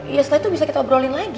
iya setelah itu bisa kita obrolin lagi